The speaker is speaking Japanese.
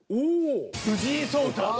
藤井聡太。